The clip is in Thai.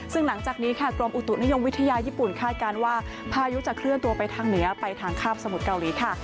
ซึ่งหลังจากนี้ค่ะกรมอุตุนิยมวิทยาญี่ปุ่นคาดการณ์ว่าพายุจะเคลื่อนตัวไปทางเหนือไปทางคาบสมุทรเกาหลีค่ะ